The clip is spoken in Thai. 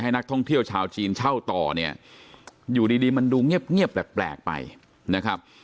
นักท่องเที่ยวชาวจีนเช่าต่อเนี่ยอยู่ดีมันดูเงียบแปลกไปนะครับ